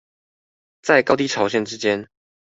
在高低潮線之間